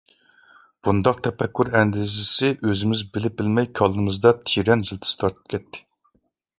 بۇنداق تەپەككۇر ئەندىزىسى ئۆزىمىز بىلىپ-بىلمەي كاللىمىزدا تىرەن يىلتىز تارتىپ كەتتى.